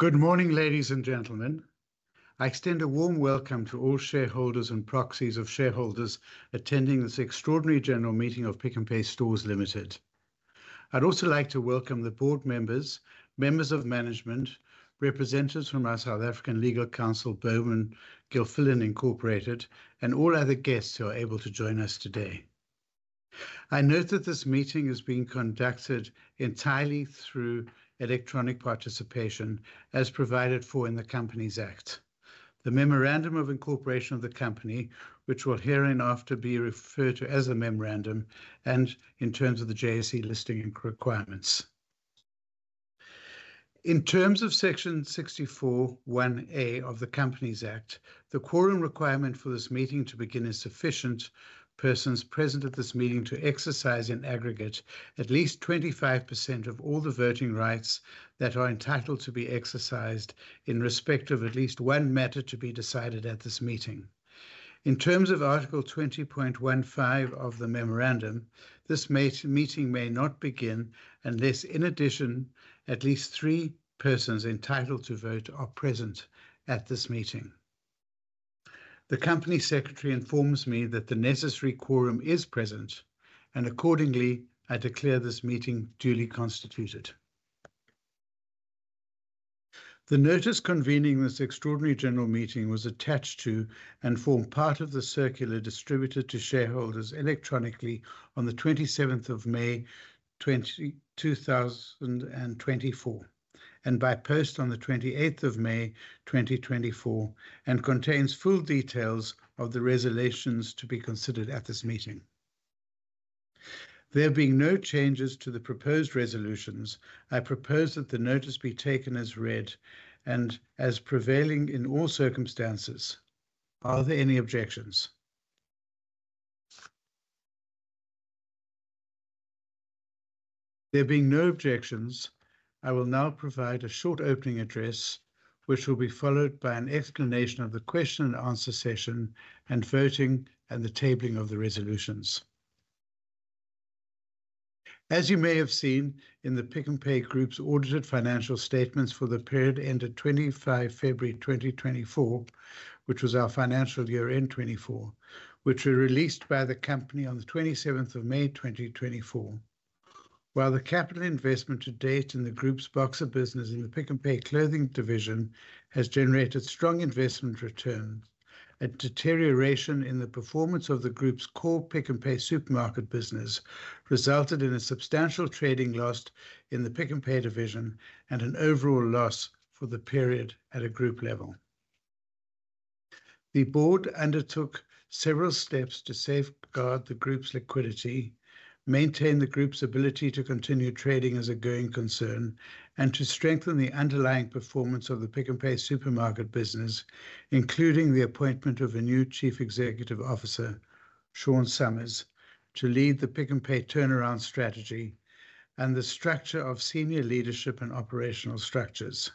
Good morning, ladies and gentlemen. I extend a warm welcome to all shareholders and proxies of shareholders attending this extraordinary general meeting of Pick n Pay Stores Limited. I'd also like to welcome the board members, members of management, representatives from our South African legal counsel, Bowman Gilfillan Incorporated, and all other guests who are able to join us today. I note that this meeting is being conducted entirely through electronic participation, as provided for in the Companies Act, the Memorandum of Incorporation of the Company, which will hereinafter be referred to as the Memorandum, and in terms of the JSE Listings Requirements. In terms of Section 64(1)(a) of the Companies Act, the quorum requirement for this meeting to begin is sufficient persons present at this meeting to exercise in aggregate at least 25% of all the voting rights that are entitled to be exercised in respect of at least one matter to be decided at this meeting. In terms of Article 20.15 of the memorandum, this meeting may not begin unless, in addition, at least three persons entitled to vote are present at this meeting. The company secretary informs me that the necessary quorum is present, and accordingly, I declare this meeting duly constituted. The notice convening this extraordinary general meeting was attached to and formed part of the circular distributed to shareholders electronically on the 27th of May, 20... 2024, and by post on the 28th of May, 2024, and contains full details of the resolutions to be considered at this meeting. There being no changes to the proposed resolutions, I propose that the notice be taken as read and as prevailing in all circumstances. Are there any objections? There being no objections, I will now provide a short opening address, which will be followed by an explanation of the question and answer session, and voting, and the tabling of the resolutions. As you may have seen in the Pick n Pay Group's audited financial statements for the period ended 25 February, 2024, which was our financial year end 24, which were released by the company on the 27th of May, 2024. While the capital investment to date in the group's Boxer business in the Pick n Pay Clothing division has generated strong investment returns, a deterioration in the performance of the group's core Pick n Pay supermarket business resulted in a substantial trading loss in the Pick n Pay division and an overall loss for the period at a group level. The board undertook several steps to safeguard the group's liquidity, maintain the group's ability to continue trading as a going concern, and to strengthen the underlying performance of the Pick n Pay supermarket business, including the appointment of a new Chief Executive Officer, Sean Summers, to lead the Pick n Pay turnaround strategy and the structure of senior leadership and operational structures.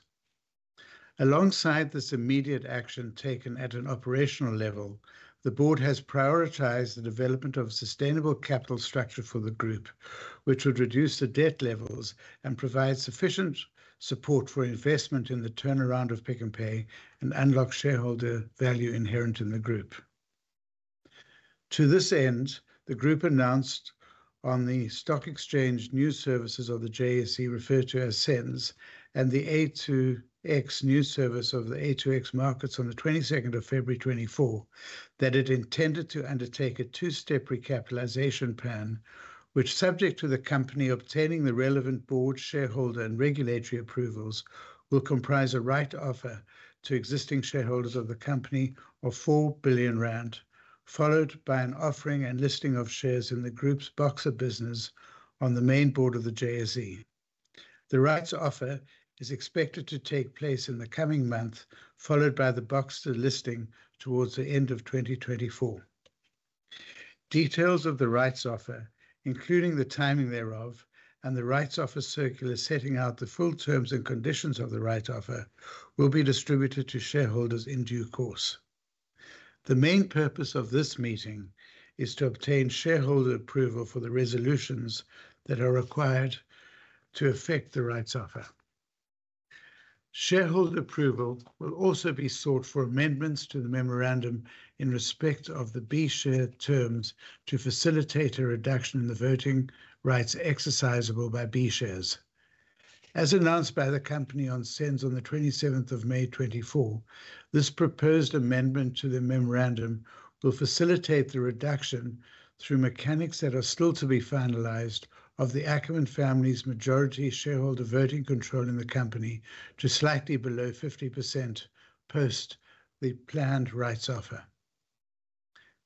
Alongside this immediate action taken at an operational level, the board has prioritized the development of a sustainable capital structure for the group, which would reduce the debt levels and provide sufficient support for investment in the turnaround of Pick n Pay and unlock shareholder value inherent in the group. To this end, the group announced on the Stock Exchange News Service of the JSE, referred to as SENS, and the A2X News Service of the A2X Markets on the 22nd of February 2024, that it intended to undertake a two-step recapitalization plan, which, subject to the company obtaining the relevant board, shareholder, and regulatory approvals, will comprise a rights offer to existing shareholders of the company of 4 billion rand, followed by an offering and listing of shares in the group's Boxer business on the main board of the JSE. The rights offer is expected to take place in the coming month, followed by the Boxer listing towards the end of 2024. Details of the rights offer, including the timing thereof and the rights offer circular, setting out the full terms and conditions of the rights offer, will be distributed to shareholders in due course. The main purpose of this meeting is to obtain shareholder approval for the resolutions that are required to affect the rights offer. Shareholder approval will also be sought for amendments to the memorandum in respect of the B share terms to facilitate a reduction in the voting rights exercisable by B shares. As announced by the company on SENS on the 27th of May 24, this proposed amendment to the memorandum will facilitate the reduction through mechanics that are still to be finalized of the Ackerman family's majority shareholder voting control in the company to slightly below 50% post the planned rights offer.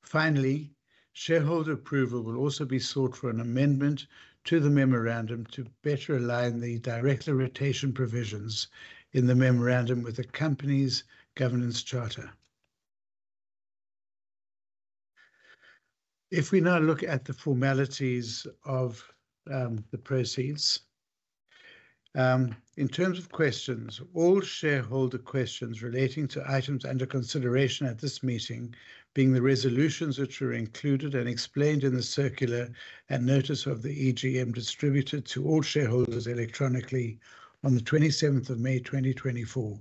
Finally, shareholder approval will also be sought for an amendment to the memorandum to better align the director rotation provisions in the memorandum with the company's governance charter. If we now look at the formalities of the proceeds. In terms of questions, all shareholder questions relating to items under consideration at this meeting, being the resolutions which were included and explained in the circular and notice of the EGM distributed to all shareholders electronically on the 27th of May 2024,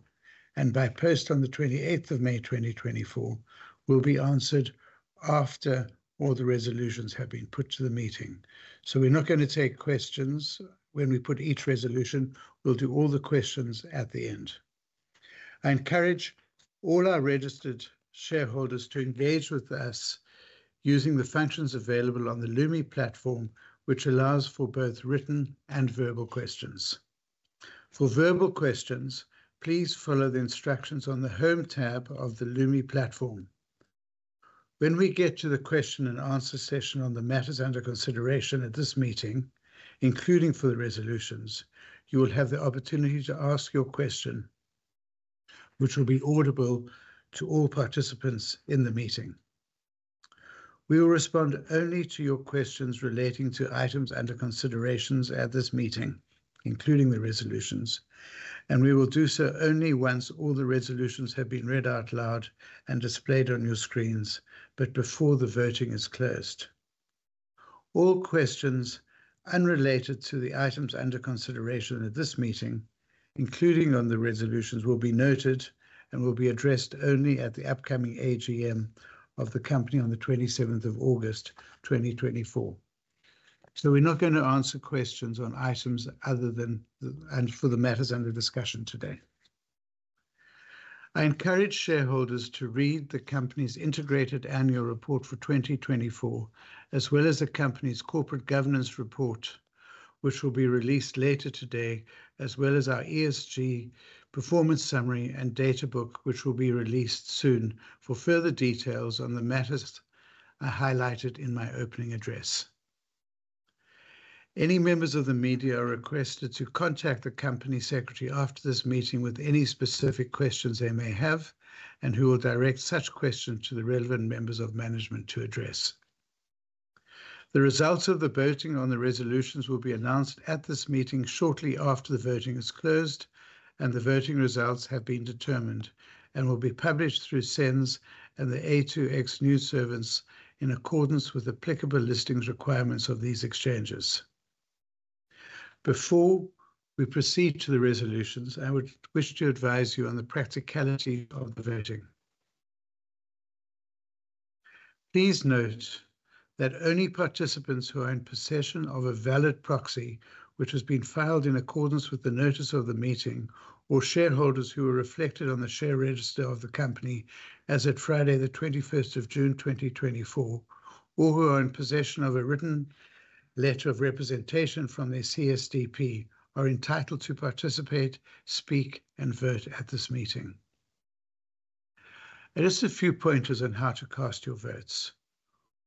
and by post on the 28th of May 2024, will be answered after all the resolutions have been put to the meeting. So we're not gonna take questions when we put each resolution, we'll do all the questions at the end. I encourage all our registered shareholders to engage with us using the functions available on the Lumi Platform, which allows for both written and verbal questions. For verbal questions, please follow the instructions on the Home tab of the Lumi Platform. When we get to the question and answer session on the matters under consideration at this meeting, including for the resolutions, you will have the opportunity to ask your question, which will be audible to all participants in the meeting. We will respond only to your questions relating to items under consideration at this meeting, including the resolutions, and we will do so only once all the resolutions have been read out loud and displayed on your screens, but before the voting is closed. All questions unrelated to the items under consideration at this meeting, including on the resolutions, will be noted and will be addressed only at the upcoming AGM of the company on the 27th of August, 2024. So we're not gonna answer questions on items other than the matters under discussion today. I encourage shareholders to read the company's integrated annual report for 2024, as well as the company's corporate governance report, which will be released later today, as well as our ESG performance summary and data book, which will be released soon for further details on the matters I highlighted in my opening address. Any members of the media are requested to contact the company secretary after this meeting with any specific questions they may have, and who will direct such questions to the relevant members of management to address. The results of the voting on the resolutions will be announced at this meeting shortly after the voting is closed and the voting results have been determined, and will be published through SENS and the A2X News Service in accordance with applicable listings requirements of these exchanges. Before we proceed to the resolutions, I would wish to advise you on the practicality of the voting. Please note that only participants who are in possession of a valid proxy, which has been filed in accordance with the notice of the meeting, or shareholders who are reflected on the share register of the company as at Friday the 21st of June, 2024, or who are in possession of a written letter of representation from their CSDP, are entitled to participate, speak, and vote at this meeting. Just a few pointers on how to cast your votes.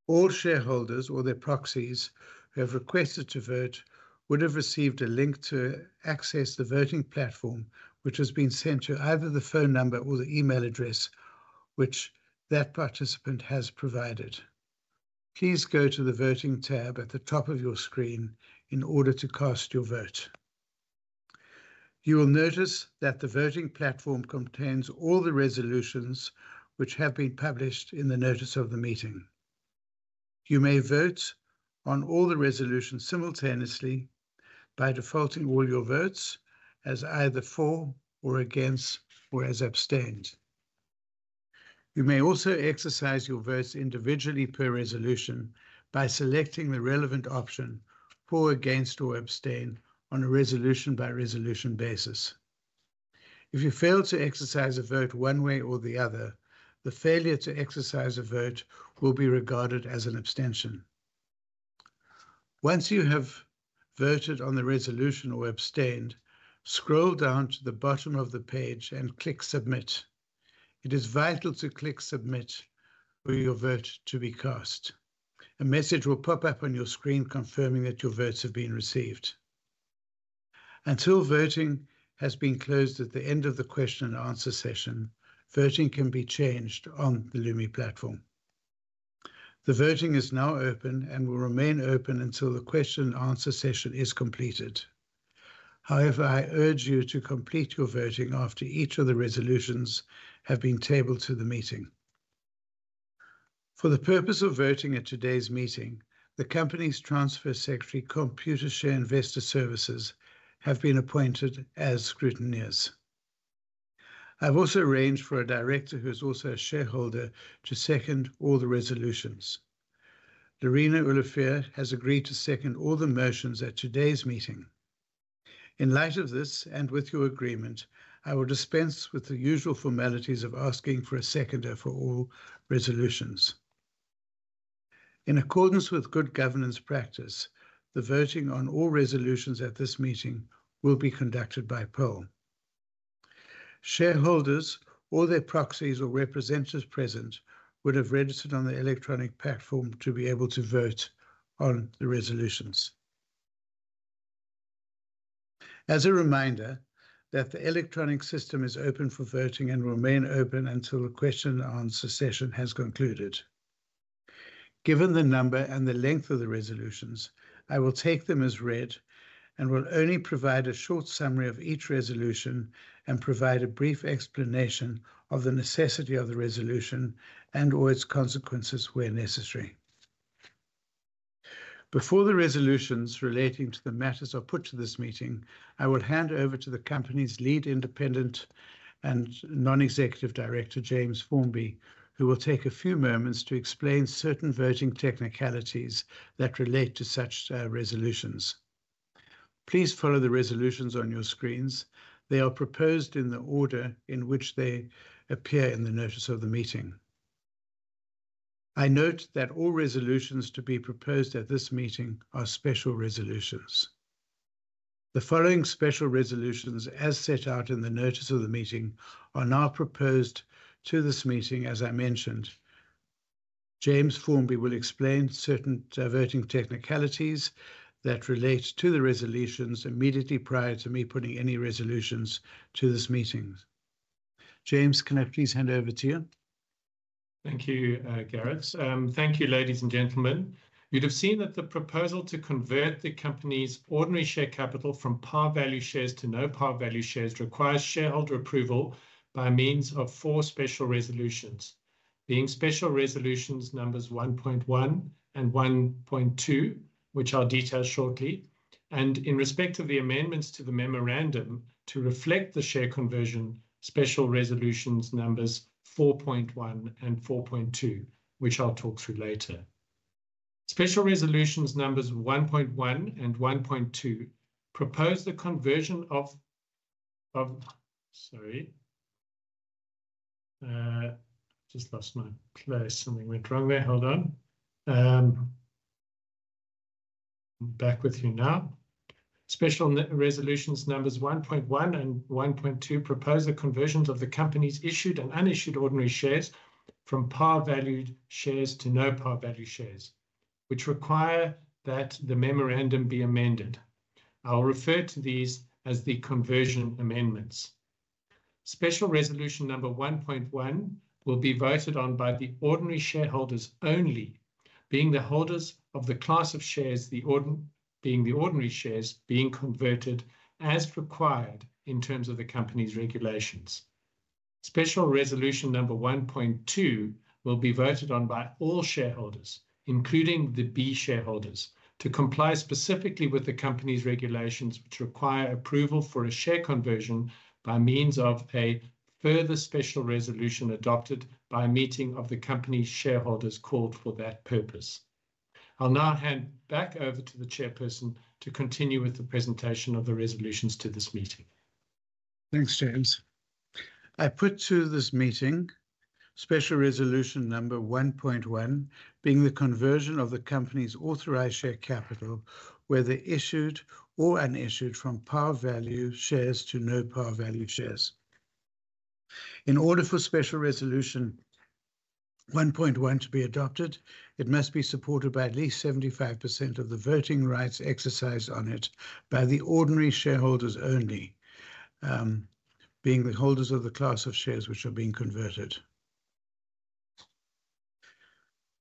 All shareholders or their proxies who have requested to vote would have received a link to access the voting platform, which has been sent to either the phone number or the email address which that participant has provided. Please go to the Voting tab at the top of your screen in order to cast your vote. You will notice that the voting platform contains all the resolutions which have been published in the notice of the meeting. You may vote on all the resolutions simultaneously by defaulting all your votes as either for or against, or as abstained. You may also exercise your votes individually per resolution by selecting the relevant option, for, against, or abstain on a resolution by resolution basis. If you fail to exercise a vote one way or the other, the failure to exercise a vote will be regarded as an abstention. Once you have voted on the resolution or abstained, scroll down to the bottom of the page and click Submit. It is vital to click Submit for your vote to be cast. A message will pop up on your screen confirming that your votes have been received. Until voting has been closed at the end of the question and answer session, voting can be changed on the Lumi Platform. The voting is now open and will remain open until the question and answer session is completed. However, I urge you to complete your voting after each of the resolutions have been tabled to the meeting. For the purpose of voting at today's meeting, the company's transfer secretary, Computershare Investor Services, have been appointed as scrutineers. I've also arranged for a director, who is also a shareholder, to second all the resolutions. Lerena Olivier has agreed to second all the motions at today's meeting. In light of this, and with your agreement, I will dispense with the usual formalities of asking for a seconder for all resolutions. In accordance with good governance practice, the voting on all resolutions at this meeting will be conducted by poll. Shareholders or their proxies or representatives present would have registered on the electronic platform to be able to vote on the resolutions.... As a reminder, that the electronic system is open for voting and will remain open until the question on succession has concluded. Given the number and the length of the resolutions, I will take them as read, and will only provide a short summary of each resolution and provide a brief explanation of the necessity of the resolution and or its consequences where necessary. Before the resolutions relating to the matters are put to this meeting, I will hand over to the company's lead independent and non-executive director, James Formby, who will take a few moments to explain certain voting technicalities that relate to such resolutions. Please follow the resolutions on your screens. They are proposed in the order in which they appear in the notice of the meeting. I note that all resolutions to be proposed at this meeting are special resolutions. The following special resolutions, as set out in the notice of the meeting, are now proposed to this meeting, as I mentioned. James Formby will explain certain diverse technicalities that relate to the resolutions immediately prior to me putting any resolutions to this meeting. James, can I please hand over to you? Thank you, Gareth. Thank you, ladies and gentlemen. You'd have seen that the proposal to convert the company's ordinary share capital from par value shares to no par value shares requires shareholder approval by means of four special resolutions, being Special Resolutions Numbers 1.1 and 1.2, which I'll detail shortly. In respect of the amendments to the memorandum to reflect the share conversion, Special Resolutions Numbers 4.1 and 4.2, which I'll talk through later. Special Resolutions Numbers 1.1 and 1.2 propose the conversion of... Sorry, just lost my place. Something went wrong there. Hold on. I'm back with you now. Special Resolutions Numbers 1.1 and 1.2 propose the conversions of the company's issued and unissued ordinary shares from par value shares to no par value shares, which require that the memorandum be amended. I'll refer to these as the conversion amendments. Special Resolution Number 1.1 will be voted on by the ordinary shareholders only, being the holders of the class of shares, being the ordinary shares being converted as required in terms of the company's regulations. Special Resolution Number 1.2 will be voted on by all shareholders, including the B shareholders, to comply specifically with the company's regulations, which require approval for a share conversion by means of a further special resolution adopted by a meeting of the company's shareholders called for that purpose. I'll now hand back over to the chairperson to continue with the presentation of the resolutions to this meeting. Thanks, James. I put to this meeting Special Resolution Number 1.1, being the conversion of the company's authorized share capital, whether issued or unissued, from par value shares to no par value shares. In order for Special Resolution 1.1 to be adopted, it must be supported by at least 75% of the voting rights exercised on it by the ordinary shareholders only, being the holders of the class of shares which are being converted.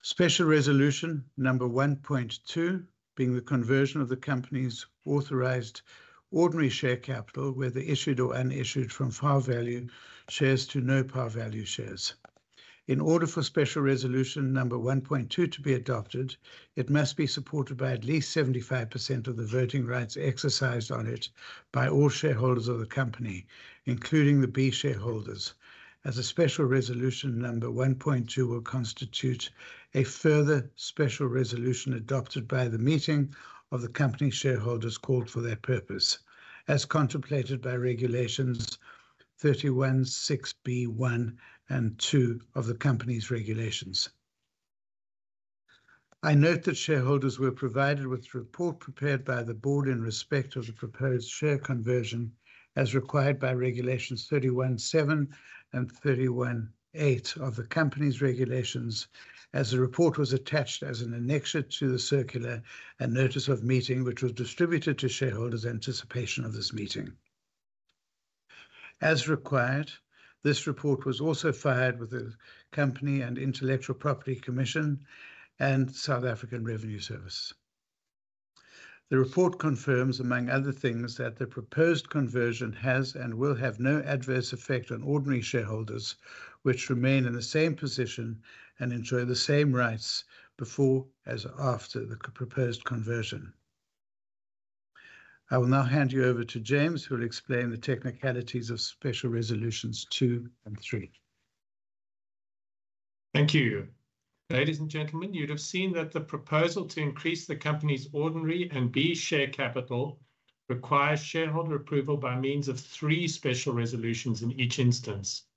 Special Resolution Number 1.2, being the conversion of the company's authorized ordinary share capital, whether issued or unissued, from par value shares to no par value shares. In order for Special Resolution Number 1.2 to be adopted, it must be supported by at least 75% of the voting rights exercised on it by all shareholders of the company, including the B shareholders, as the Special Resolution Number 1.2 will constitute a further special resolution adopted by the meeting of the company's shareholders called for that purpose, as contemplated by Regulations 31(6)(b)(i) and (ii) of the company's regulations. I note that shareholders were provided with a report prepared by the board in respect of the proposed share conversion, as required by Regulations 31(7) and 31(8) of the company's regulations, as the report was attached as an annexure to the circular and notice of meeting, which was distributed to shareholders in anticipation of this meeting. As required, this report was also filed with the Companies and Intellectual Property Commission and South African Revenue Service. The report confirms, among other things, that the proposed conversion has and will have no adverse effect on ordinary shareholders, which remain in the same position and enjoy the same rights before as after the proposed conversion. I will now hand you over to James, who will explain the technicalities of special resolutions two and three. Thank you. Ladies and gentlemen, you'd have seen that the proposal to increase the company's ordinary and B share capital requires shareholder approval by means of three special resolutions in each instance.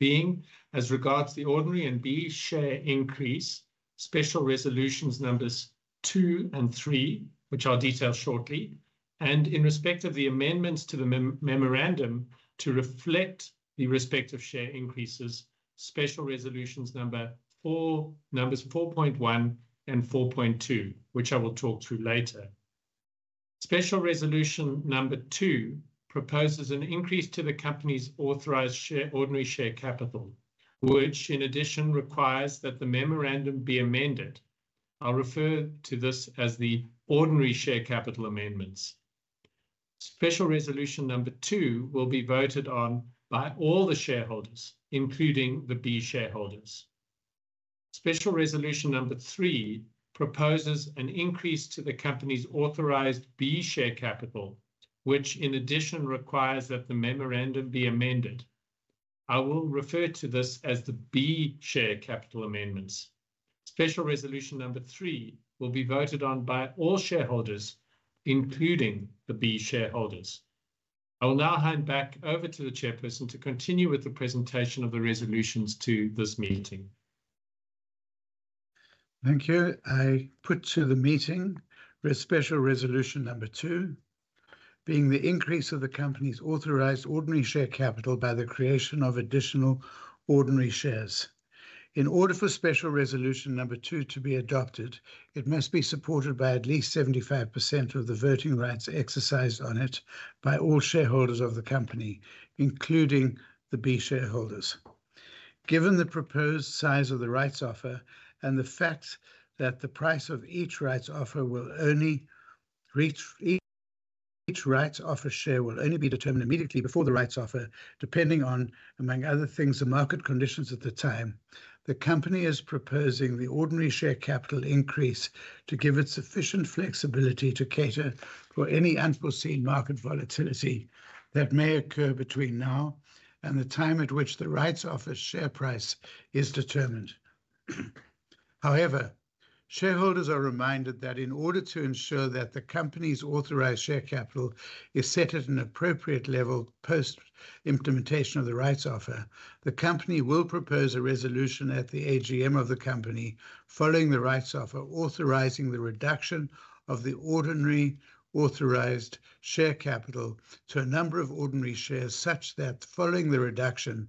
Being, as regards the ordinary and B share increase, Special Resolutions Numbers Two and Three, which I'll detail shortly, and in respect of the amendments to the memorandum to reflect the respective share increases, Special Resolutions Number four... Numbers 4.1 and 4.2, which I will talk through later.... Special Resolution Number Two proposes an increase to the company's authorized share, ordinary share capital, which in addition requires that the memorandum be amended. I'll refer to this as the ordinary share capital amendments. Special Resolution Number Two will be voted on by all the shareholders, including the B shareholders. Special Resolution Number Three proposes an increase to the company's authorized B share capital, which in addition requires that the memorandum be amended. I will refer to this as the B share capital amendments. Special Resolution Number Three will be voted on by all shareholders, including the B shareholders. I will now hand back over to the chairperson to continue with the presentation of the resolutions to this meeting. Thank you. I put to the meeting the Special Resolution Number Two, being the increase of the company's authorized ordinary share capital by the creation of additional ordinary shares. In order for Special Resolution Number Two to be adopted, it must be supported by at least 75% of the voting rights exercised on it by all shareholders of the company, including the B shareholders. Given the proposed size of the rights offer and the fact that the price of each rights offer will only reach... Each rights offer share will only be determined immediately before the rights offer, depending on, among other things, the market conditions at the time. The company is proposing the ordinary share capital increase to give it sufficient flexibility to cater for any unforeseen market volatility that may occur between now and the time at which the rights offer share price is determined. However, shareholders are reminded that in order to ensure that the company's authorized share capital is set at an appropriate level post-implementation of the rights offer, the company will propose a resolution at the AGM of the company following the rights offer, authorizing the reduction of the ordinary authorized share capital to a number of ordinary shares, such that following the reduction,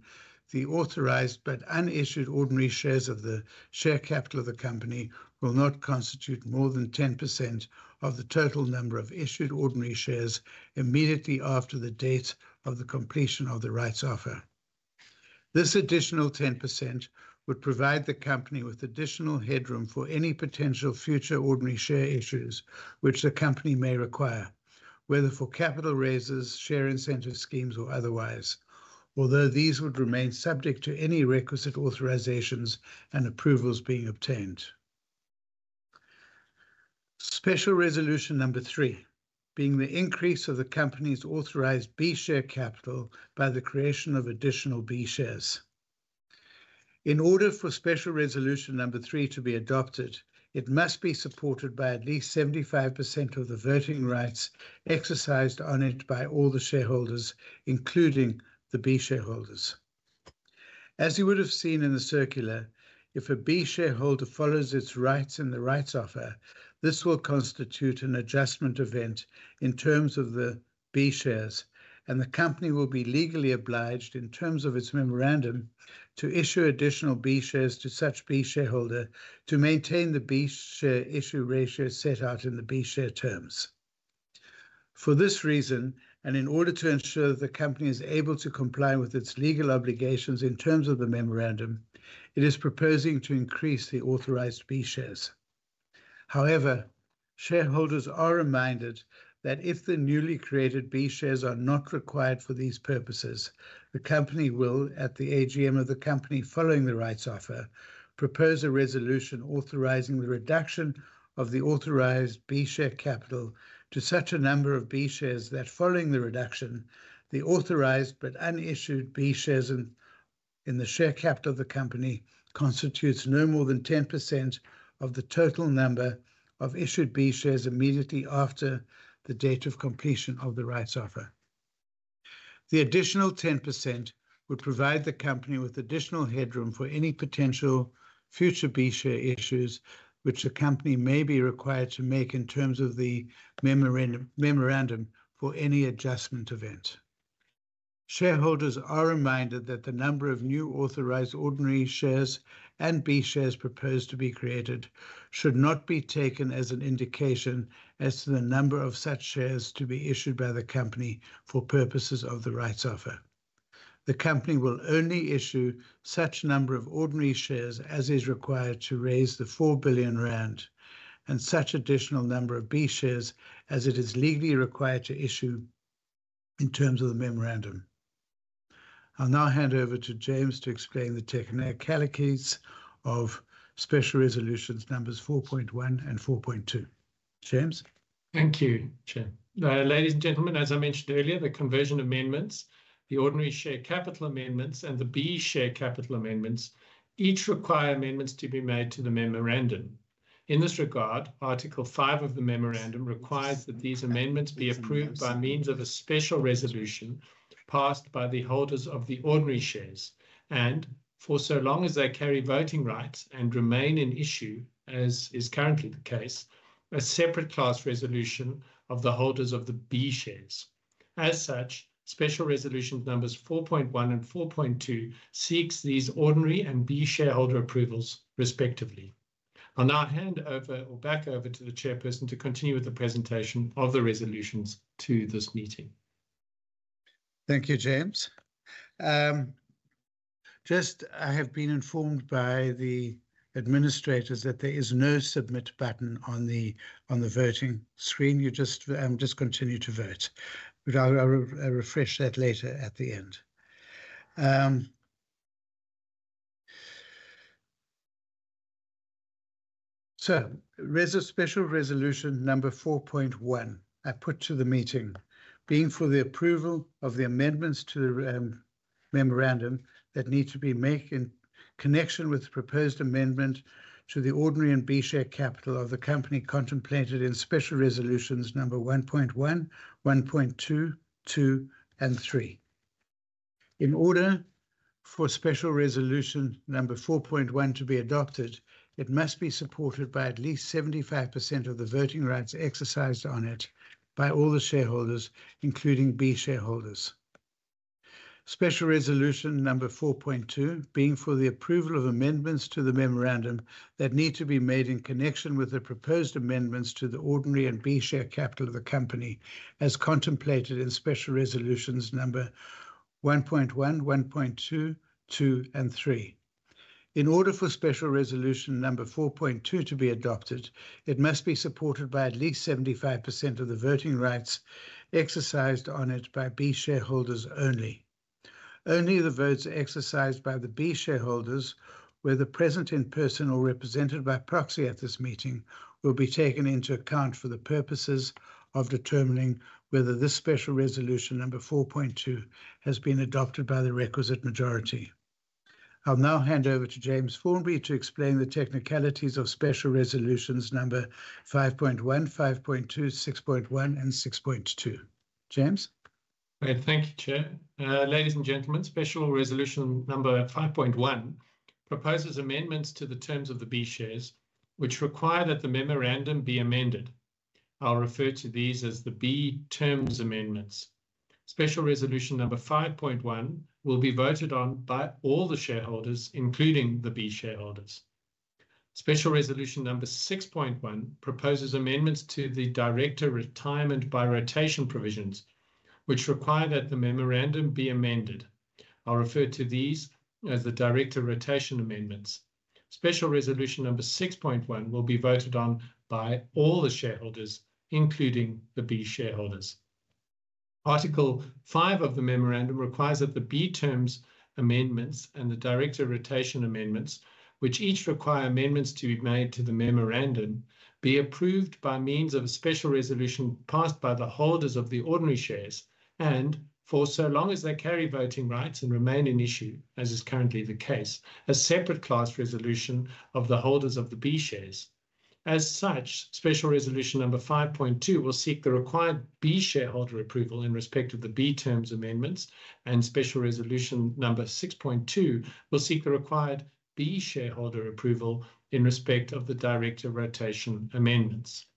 the authorized but unissued ordinary shares of the share capital of the company will not constitute more than 10% of the total number of issued ordinary shares immediately after the date of the completion of the rights offer. This additional 10% would provide the company with additional headroom for any potential future ordinary share issues which the company may require, whether for capital raises, share incentive schemes, or otherwise, although these would remain subject to any requisite authorizations and approvals being obtained. Special Resolution Number Three, being the increase of the company's authorized B share capital by the creation of additional B shares. In order for Special Resolution Number Three to be adopted, it must be supported by at least 75% of the voting rights exercised on it by all the shareholders, including the B shareholders. As you would have seen in the circular, if a B shareholder follows its rights in the rights offer, this will constitute an adjustment event in terms of the B shares, and the company will be legally obliged, in terms of its memorandum, to issue additional B shares to such B shareholder to maintain the B share issue ratio set out in the B share terms. For this reason, and in order to ensure the company is able to comply with its legal obligations in terms of the memorandum, it is proposing to increase the authorized B shares. However, shareholders are reminded that if the newly created B shares are not required for these purposes, the company will, at the AGM of the company following the rights offer, propose a resolution authorizing the reduction of the authorized B share capital to such a number of B shares that following the reduction, the authorized but unissued B shares in the share capital of the company constitutes no more than 10% of the total number of issued B shares immediately after the date of completion of the rights offer. The additional 10% would provide the company with additional headroom for any potential future B share issues which the company may be required to make in terms of the memorandum for any adjustment event. Shareholders are reminded that the number of new authorized ordinary shares and B shares proposed to be created should not be taken as an indication as to the number of such shares to be issued by the company for purposes of the rights offer. The company will only issue such number of ordinary shares as is required to raise 4 billion rand, and such additional number of B shares as it is legally required to issue in terms of the memorandum. I'll now hand over to James to explain the technicalities of Special Resolutions Numbers 4.1 and 4.2. James? Thank you, Chair. Ladies and gentlemen, as I mentioned earlier, the conversion amendments, the ordinary share capital amendments, and the B share capital amendments each require amendments to be made to the memorandum. In this regard, Article 5 of the memorandum requires that these amendments be approved by means of a special resolution passed by the holders of the ordinary shares, and for so long as they carry voting rights and remain in issue, as is currently the case, a separate class resolution of the holders of the B shares. As such, Special Resolution Numbers 4.1 and 4.2 seeks these ordinary and B shareholder approvals respectively. I'll now hand over, or back over, to the chairperson to continue with the presentation of the resolutions to this meeting. Thank you, James. Just I have been informed by the administrators that there is no submit button on the, on the voting screen. You just, just continue to vote, but I'll, I'll, refresh that later at the end. So Special Resolution Number 4.1 are put to the meeting, being for the approval of the amendments to the memorandum that need to be made in connection with the proposed amendment to the ordinary and B share capital of the company contemplated in Special Resolutions Number 1.1, 1.2, Two, and Three. In order for Special Resolution Number 4.1 to be adopted, it must be supported by at least 75% of the voting rights exercised on it by all the shareholders, including B shareholders. Special Resolution Number 4.2, being for the approval of amendments to the memorandum that need to be made in connection with the proposed amendments to the ordinary and B share capital of the company, as contemplated in Special Resolutions Number 1.1, 1.2, Two, and Three. In order for Special Resolution Number 4.2 to be adopted, it must be supported by at least 75% of the voting rights exercised on it by B shareholders only. Only the votes exercised by the B shareholders, whether present in person or represented by proxy at this meeting, will be taken into account for the purposes of determining whether this Special Resolution Number 4.2 has been adopted by the requisite majority. I'll now hand over to James Formby to explain the technicalities of Special Resolutions Number 5.1, 5.2, 6.1 and 6.2. James? Right. Thank you, Chair. Ladies and gentlemen, Special Resolution Number 5.1 proposes amendments to the terms of the B shares, which require that the memorandum be amended. I'll refer to these as the B terms amendments. Special Resolution Number 5.1 will be voted on by all the shareholders, including the B shareholders. Special Resolution Number 6.1 proposes amendments to the director retirement by rotation provisions, which require that the memorandum be amended. I'll refer to these as the director rotation amendments. Special Resolution Number 6.1 will be voted on by all the shareholders, including the B shareholders. Article 5 of the memorandum requires that the B terms amendments and the director rotation amendments, which each require amendments to be made to the memorandum, be approved by means of a special resolution passed by the holders of the ordinary shares, and for so long as they carry voting rights and remain in issue, as is currently the case, a separate class resolution of the holders of the B shares. As such, Special Resolution Number 5.2 will seek the required B shareholder approval in respect of the B terms amendments, and Special Resolution Number 6.2 will seek the required B shareholder approval in respect of the director rotation amendments.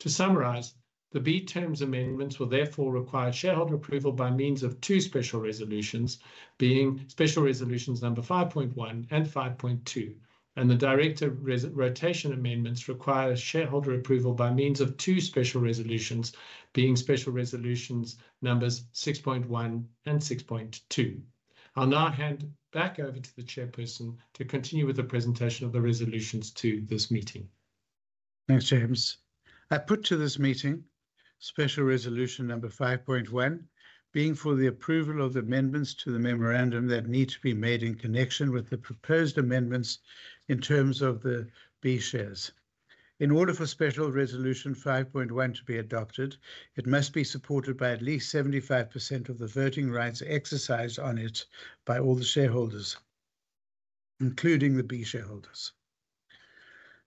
To summarize, the B terms amendments will therefore require shareholder approval by means of two special resolutions, being Special Resolutions Number 5.1 and 5.2, and the director rotation amendments require shareholder approval by means of two special resolutions, being Special Resolutions Numbers 6.1 and 6.2. I'll now hand back over to the chairperson to continue with the presentation of the resolutions to this meeting. Thanks, James. I put to this meeting Special Resolution Number 5.1, being for the approval of the amendments to the memorandum that need to be made in connection with the proposed amendments in terms of the B shares. In order for Special Resolution 5.1 to be adopted, it must be supported by at least 75% of the voting rights exercised on it by all the shareholders, including the B shareholders.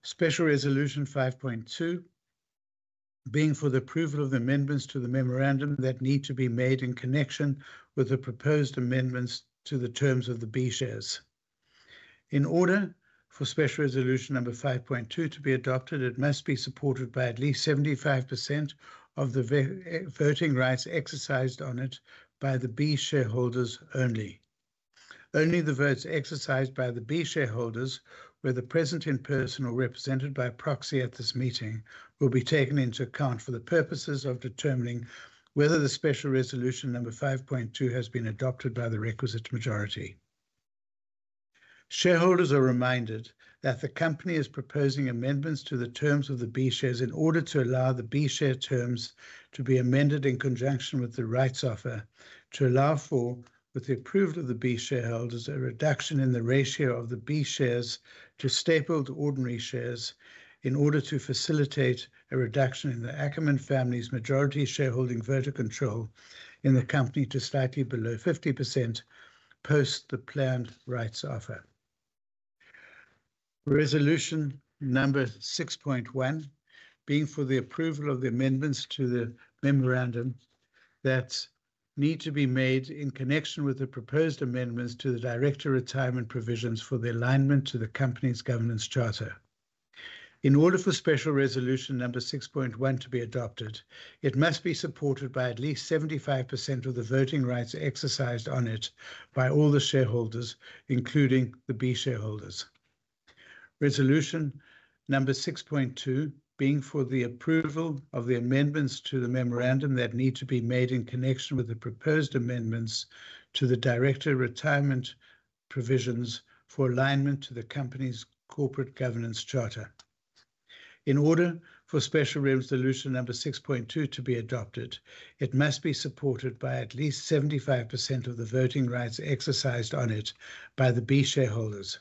Special Resolution 5.2, being for the approval of the amendments to the memorandum that need to be made in connection with the proposed amendments to the terms of the B shares. In order for Special Resolution Number 5.2 to be adopted, it must be supported by at least 75% of the voting rights exercised on it by the B shareholders only. Only the votes exercised by the B shareholders, whether present in person or represented by proxy at this meeting, will be taken into account for the purposes of determining whether the Special Resolution Number 5.2 has been adopted by the requisite majority. Shareholders are reminded that the company is proposing amendments to the terms of the B shares in order to allow the B share terms to be amended in conjunction with the rights offer, to allow for, with the approval of the B shareholders, a reduction in the ratio of the B shares to stapled ordinary shares in order to facilitate a reduction in the Ackerman family's majority shareholding voter control in the company to slightly below 50% post the planned rights offer. Resolution Number 6.1, being for the approval of the amendments to the memorandum that need to be made in connection with the proposed amendments to the director retirement provisions for the alignment to the company's governance charter. In order for Special Resolution Number 6.1 to be adopted, it must be supported by at least 75% of the voting rights exercised on it by all the shareholders, including the B shareholders. Resolution Number 6.2, being for the approval of the amendments to the memorandum that need to be made in connection with the proposed amendments to the director retirement provisions for alignment to the company's corporate governance charter. In order for Special Resolution Number 6.2 to be adopted, it must be supported by at least 75% of the voting rights exercised on it by the B shareholders.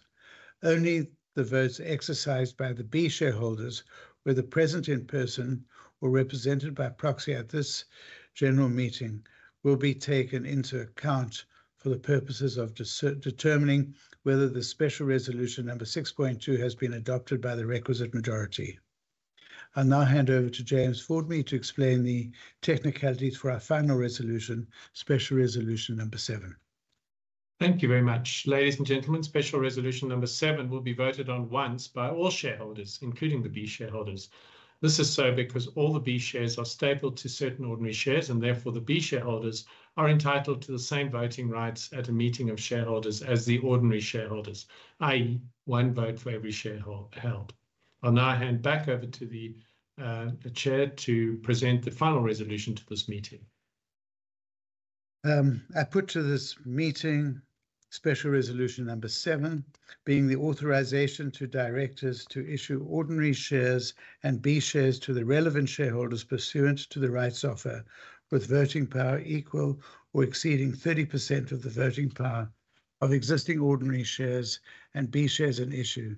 Only the votes exercised by the B shareholders, whether present in person or represented by proxy at this general meeting, will be taken into account for the purposes of determining whether the Special Resolution Number 6.2 has been adopted by the requisite majority. I'll now hand over to James Formby to explain the technicalities for our final resolution, Special Resolution Number Seven. Thank you very much. Ladies and gentlemen, Special Resolution Number Seven will be voted on once by all shareholders, including the B shareholders. This is so because all the B shares are stapled to certain ordinary shares, and therefore the B shareholders are entitled to the same voting rights at a meeting of shareholders as the ordinary shareholders, i.e., one vote for every share held. I'll now hand back over to the chair to present the final resolution to this meeting. I put to this meeting Special Resolution Number Seven, being the authorization to directors to issue ordinary shares and B shares to the relevant shareholders pursuant to the rights offer, with voting power equal or exceeding 30% of the voting power of existing ordinary shares and B shares in issue,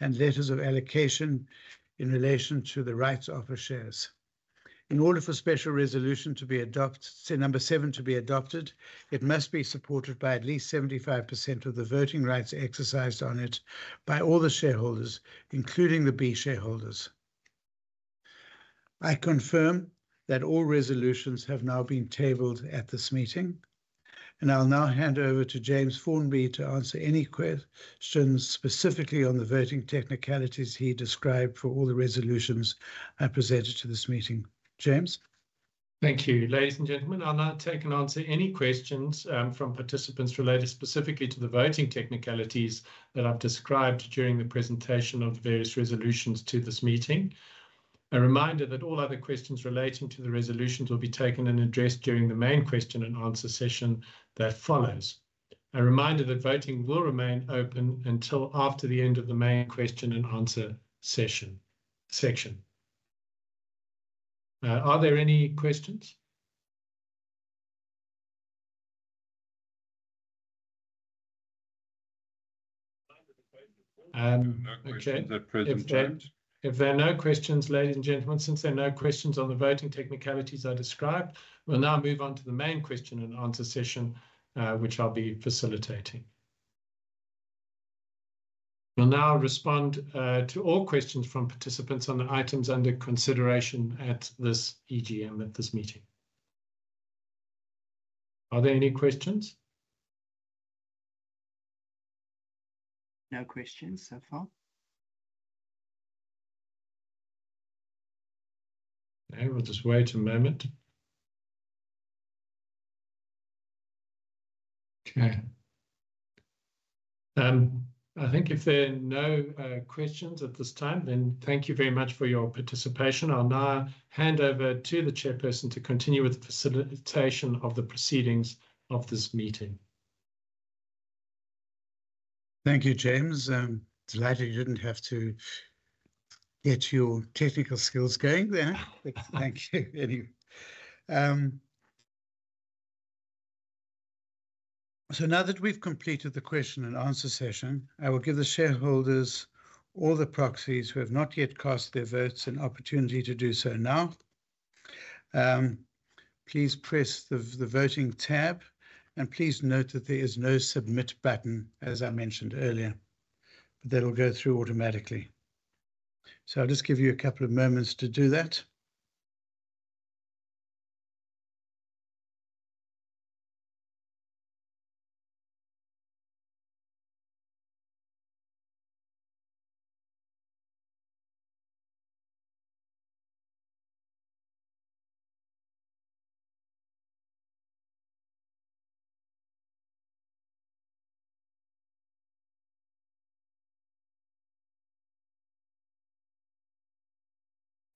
and letters of allocation in relation to the rights offer shares. In order for Special Resolution Number Seven to be adopted, it must be supported by at least 75% of the voting rights exercised on it by all the shareholders, including the B shareholders. I confirm that all resolutions have now been tabled at this meeting, and I'll now hand over to James Formby to answer any questions specifically on the voting technicalities he described for all the resolutions I presented to this meeting. James? Thank you. Ladies and gentlemen, I'll now take and answer any questions from participants related specifically to the voting technicalities that I've described during the presentation of various resolutions to this meeting. A reminder that all other questions relating to the resolutions will be taken and addressed during the main question and answer session that follows. A reminder that voting will remain open until after the end of the main question and answer session. Are there any questions? Okay. No questions at present, James. If there are no questions, ladies and gentlemen, since there are no questions on the voting technicalities I described, we'll now move on to the main question and answer session, which I'll be facilitating. We'll now respond to all questions from participants on the items under consideration at this EGM, at this meeting. Are there any questions? No questions so far. Okay, we'll just wait a moment. Okay. I think if there are no questions at this time, then thank you very much for your participation. I'll now hand over to the chairperson to continue with the facilitation of the proceedings of this meeting. Thank you, James. I'm delighted you didn't have to get your technical skills going there. But thank you anyway. So now that we've completed the question and answer session, I will give the shareholders or the proxies who have not yet cast their votes an opportunity to do so now. Please press the Voting tab, and please note that there is no Submit button, as I mentioned earlier. But that'll go through automatically. So I'll just give you a couple of moments to do that.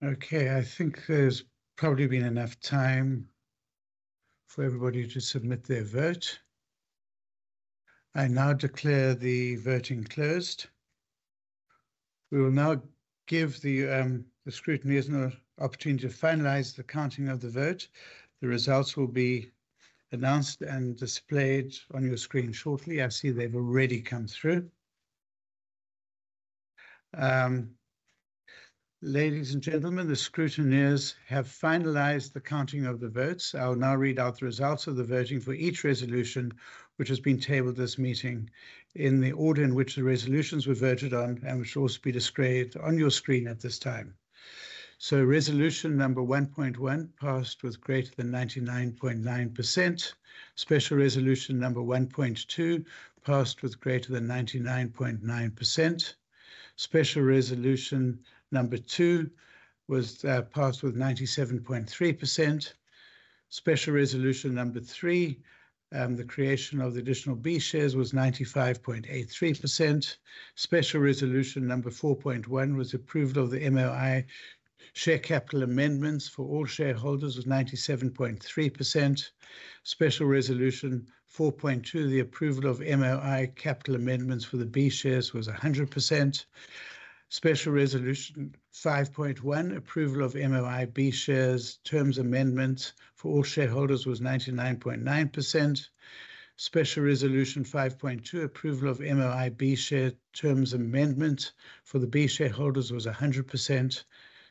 Okay, I think there's probably been enough time for everybody to submit their vote. I now declare the voting closed. We will now give the scrutineers an opportunity to finalize the counting of the vote. The results will be announced and displayed on your screen shortly. I see they've already come through. Ladies and gentlemen, the scrutineers have finalized the counting of the votes. I will now read out the results of the voting for each resolution which has been tabled this meeting, in the order in which the resolutions were voted on and which will also be displayed on your screen at this time. So resolution number 1.1 passed with greater than 99.9%. Special Resolution Number 1.2 passed with greater than 99.9%. Special Resolution Number Two was passed with 97.3%. Special Resolution Number Three, the creation of the additional B shares, was 95.83%. Special Resolution Number 4.1 was approval of the MOI share capital amendments for all shareholders, was 97.3%. Special Resolution 4.2, the approval of MOI capital amendments for the B shares, was 100%. Special Resolution 5.1, approval of MOI B shares terms amendments for all shareholders, was 99.9%. Special Resolution 5.2, approval of MOI B shares terms amendment for the B shareholders, was 100%.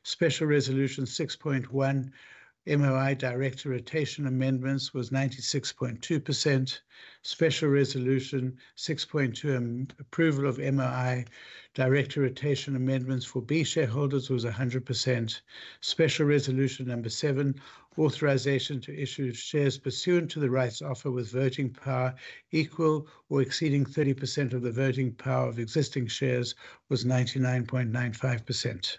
Special Resolution 6.1, MOI director rotation amendments, was 96.2%. Special Resolution 6.2, approval of MOI director rotation amendments for B shareholders, was 100%. Special Resolution Number Seven, authorization to issue shares pursuant to the rights offer with voting power equal or exceeding 30% of the voting power of existing shares, was 99.95%.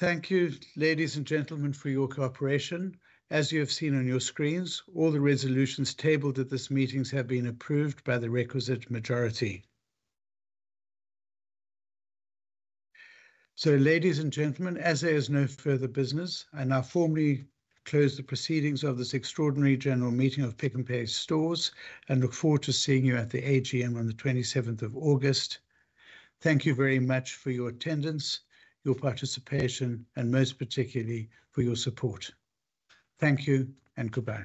Thank you, ladies and gentlemen, for your cooperation. As you have seen on your screens, all the resolutions tabled at this meeting have been approved by the requisite majority. So, ladies and gentlemen, as there is no further business, I now formally close the proceedings of this extraordinary general meeting of Pick n Pay Stores, and look forward to seeing you at the AGM on the 27th of August. Thank you very much for your attendance, your participation, and most particularly, for your support. Thank you and goodbye.